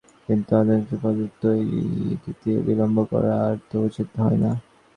কিন্তু অন্নদাবাবুর পত্রের উত্তর দিতে বিলম্ব করা আর তো উচিত হয় না।